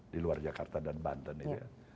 di luar jakarta dan banten itu ya